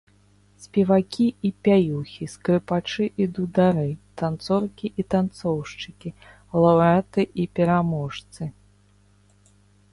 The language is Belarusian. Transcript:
Спевакі і пяюхі, скрыпачы і дудары, танцоркі і танцоўшчыкі, лаўрэаты і пераможцы!